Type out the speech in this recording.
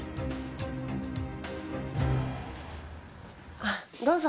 あっどうぞ。